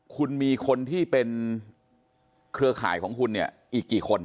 คุณมีคนที่เป็นเครือข่ายของคุณเนี่ยอีกกี่คน